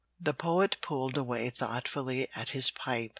The Poet pulled away thoughtfully at his pipe.